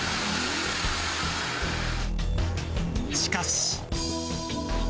しかし。